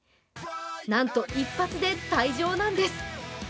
なんと一発で退場なんです。